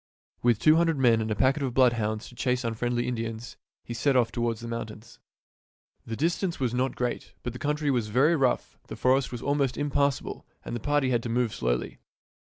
With two hundred men and a pack of bloodhounds, to chase unfriendly Indians, he set off toward the mountains. The distance was not ' great, but the country was very rough, the forest was almost impassable, and the party had to move slowly.